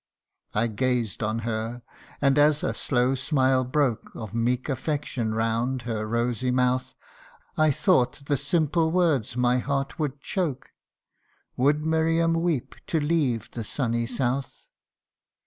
I gazed on her and as a slow smile broke Of meek affection round her rosy mouth, I thought the simple words my heart would choke, 1 Would Miriam weep to leave the sunny south